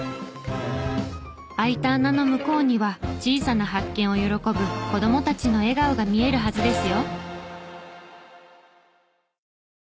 開いた穴の向こうには小さな発見を喜ぶ子供たちの笑顔が見えるはずですよ。